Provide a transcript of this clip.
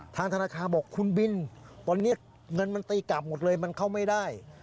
ทางธนาคารบอกคุณบินตอนนี้เงินมันตีกลับหมดเลยมันเข้าไม่ได้